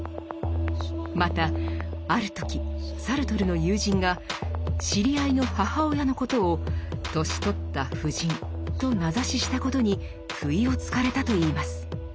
またある時サルトルの友人が知り合いの母親のことを「年取った婦人」と名指ししたことに不意をつかれたといいます。